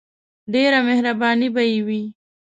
ډیره مهربانی به یی وی.